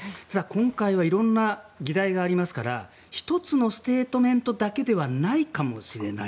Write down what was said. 今回は色んな議題がありますから１つのステートメントだけではないかもしれない。